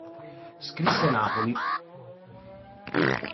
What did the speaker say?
Scrisse "Napoli.